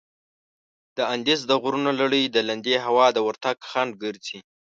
د اندیز د غرونو لړي د لندې هوا د ورتګ خنډ ګرځي.